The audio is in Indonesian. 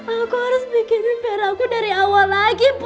aku harus bikin pera aku dari awal lagi pa